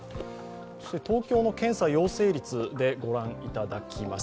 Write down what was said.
東京の検査陽性率を御覧いただきます。